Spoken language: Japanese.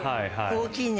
大きいね。